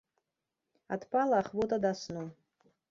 Адпала ахвота да сну.